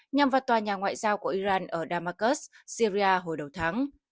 nhằm vào tòa nhà ngoại giao của iran ở damascus syria hồi đầu tháng